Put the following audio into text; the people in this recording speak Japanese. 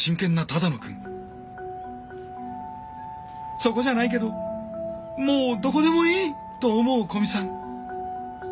「そこじゃないけどもうどこでもいい！」と思う古見さん。